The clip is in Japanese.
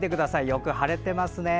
よく晴れていますね。